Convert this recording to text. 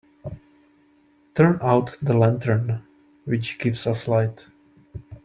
Turn out the lantern which gives us light.